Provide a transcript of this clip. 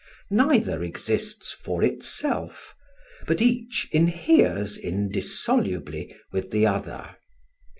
Neither exists for itself, but each inheres indissolubly with the other.